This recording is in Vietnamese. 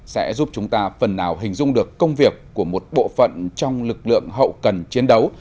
sẽ giúp chúng ta phần nào hình dung được công việc của một bộ phận trong lực lượng hậu cần chiến đấu